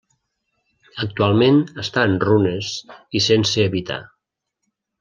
Actualment està en runes i sense habitar.